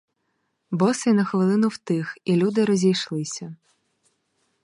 Босий на хвилину втих, і люди розійшлися.